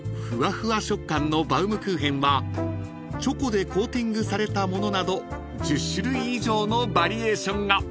ふわふわ食感のバウムクーヘンはチョコでコーティングされたものなど１０種類以上のバリエーションが］